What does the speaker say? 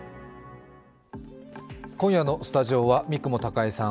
今夜のスタジオは三雲孝江さん